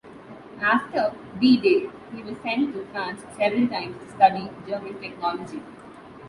After D-Day he was sent to France several times to study German technology.